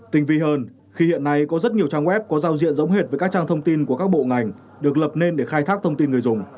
tinh vi hơn khi hiện nay có rất nhiều trang web có giao diện giống hệt với các trang thông tin của các bộ ngành được lập nên để khai thác thông tin người dùng